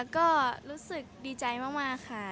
ก็รู้สึกดีใจมากค่ะ